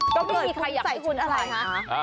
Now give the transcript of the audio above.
ต้องมีใครใส่ชุดอะไรคะ